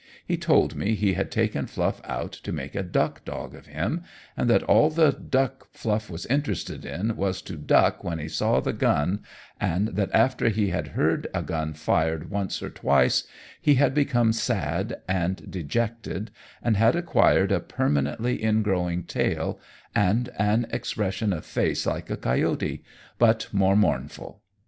He told me he had taken Fluff out to make a duck dog of him, and that all the duck Fluff was interested in was to duck when he saw a gun, and that after he had heard a gun fired once or twice he had become sad and dejected, and had acquired a permanently ingrowing tail, and an expression of face like a coyote, but more mournful.